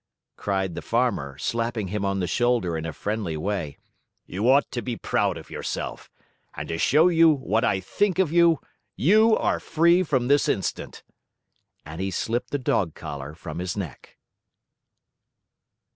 cried the Farmer, slapping him on the shoulder in a friendly way. "You ought to be proud of yourself. And to show you what I think of you, you are free from this instant!" And he slipped the dog collar from his neck.